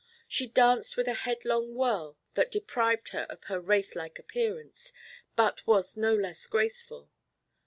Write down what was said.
She danced with a headlong whirl that deprived her of her wraith like appearance, but was no less graceful.